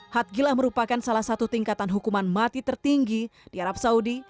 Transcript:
hat gila merupakan salah satu tingkatan hukuman mati tertinggi di arab saudi